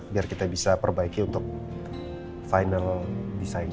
biar kita bisa perbaiki untuk final design nya